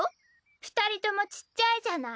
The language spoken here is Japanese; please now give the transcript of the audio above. ２人ともちっちゃいじゃない。